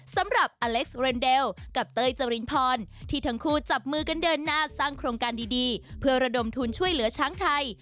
สำหรับอเล็กซ์เรนเดลกับเต้ยจรินพรที่ทั้งคู่จับมือกันเดินหน้าสร้างโครงการดีเพื่อระดมทุนช่วยเหลือช้างไทย